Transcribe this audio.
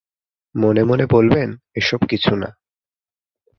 মনেমনে বলবেন, এসব কিছু না।